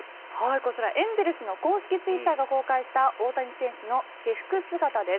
こちら、エンゼルスの公式ツイッターが公開した大谷選手の私服姿です。